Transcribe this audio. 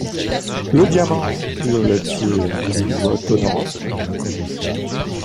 Le diamant !... hurla-t-il d’une voix tonnante.